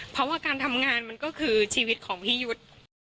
เพราะว่าการทำงานมันก็คือชีวิตของพี่ยุทธ์